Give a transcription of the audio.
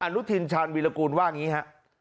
อนุทีนชาญวิรากูลว่าอย่างนี้ครับ